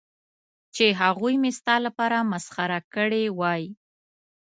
چې هغوی مې ستا لپاره مسخره کړې وای.